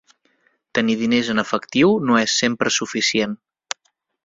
Tenir diners en efectiu no és sempre suficient.